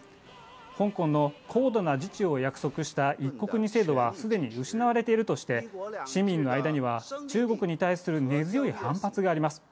香港の高度な自治を約束した一国二制度はすでに失われているとして、市民の間には中国に対する根強い反発があります。